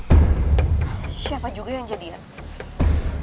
siapa juga yang jadian